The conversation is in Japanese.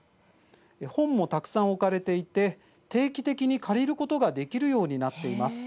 本もたくさん置かれていて定期的に借りることができるようになっています。